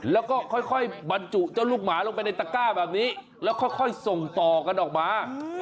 แล้วก็ค่อยบรรจุเจ้าลูกหมาลงไปในตะก้าแบบนี้แล้วค่อยส่งต่อกันออกมา